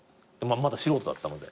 まだ素人だったので。